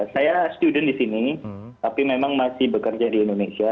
saya student di sini tapi memang masih bekerja di indonesia